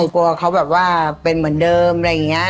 กลัวเขาแบบว่าเป็นเหมือนเดิมอะไรอย่างนี้